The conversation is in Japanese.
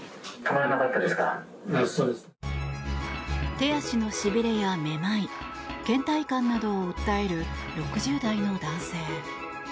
手足のしびれやめまいけん怠感などを訴える６０代の男性。